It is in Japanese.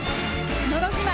「のど自慢」